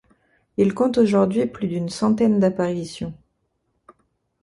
Il compte aujourd'hui plus d'une centaine d'apparitions.